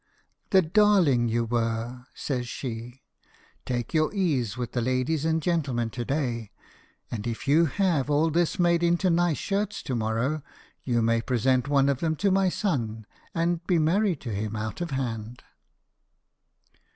"The darling you were!" says she. "Take your ease with the ladies and gentlemen to day, and if your have all this made into nice shirts to morrow you may present one of them to my son, and be married to him out of hand."